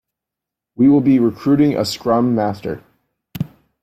We will be recruiting a scrum master.